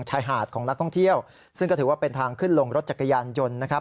ชายหาดของนักท่องเที่ยวซึ่งก็ถือว่าเป็นทางขึ้นลงรถจักรยานยนต์นะครับ